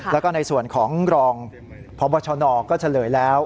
แล้วก็ในส่วนของรองพบชนก็เฉลยแล้ว